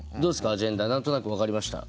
アジェンダ何となく分かりました？